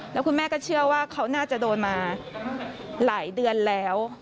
แล้วคุณแม่ก็เชื่อว่าเขาน่าจะโดนมาหลายเดือนแล้ว